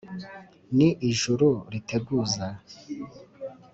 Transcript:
ni ijuru riteguza